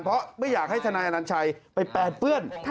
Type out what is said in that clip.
เพราะไม่อยากให้ทนายอนัญชัยไปแปนเปื้อน